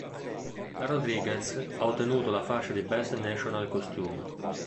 La Rodriguez ha ottenuto la fascia di Best National Costume.